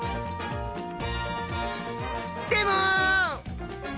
でも！